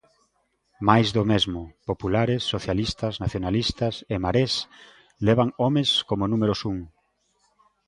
Máis do mesmo: populares, socialistas nacionalistas e marés levan homes como números un.